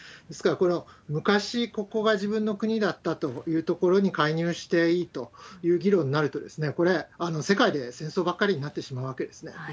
ですから、これは昔、ここが自分の国だったという所に介入していいという議論になると、これ、世界で戦争ばっかりになってしまうわけですね。